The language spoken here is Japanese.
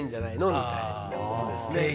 みたいなことですね。